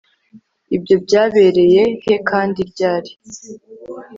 Ibyo byabereye he kandi ryari